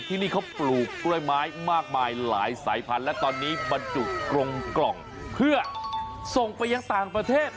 ที่นี่เขาปลูกกล้วยไม้มากมายหลายสายพันธุ์และตอนนี้บรรจุกรงกล่องเพื่อส่งไปยังต่างประเทศ